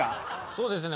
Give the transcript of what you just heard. そうですね。